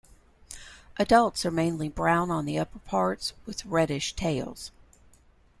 Adults are mainly brown on the upperparts, with reddish tails.